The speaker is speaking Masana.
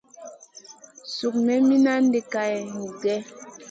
Suk me minandi nen kaleya.